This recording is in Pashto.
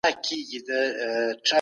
زه د حقايقو د موندلو په لټه کي وم.